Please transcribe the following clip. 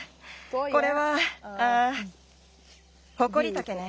これはあホコリタケね。